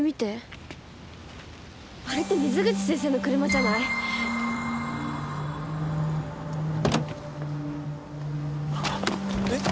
あれって水口先生の車じゃない？えっ？